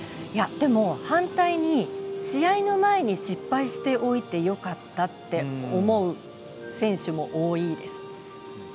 でも、反対に試合の前に失敗しておいてよかったって思う選手も多いです。